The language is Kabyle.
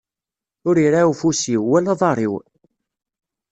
Ur iraɛ ufus-iw, wala uḍaṛ-iw.